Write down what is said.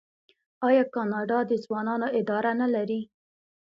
آیا کاناډا د ځوانانو اداره نلري؟